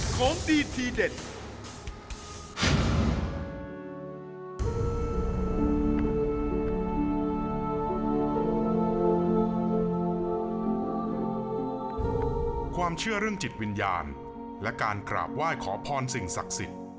ความเชื่อเรื่องจิตวิญญาณและการกราบไหว้ขอพรสิ่งศักดิ์สิทธิ์